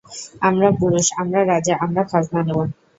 আমরা পুরুষ, আমরা রাজা, আমরা খাজনা নেব।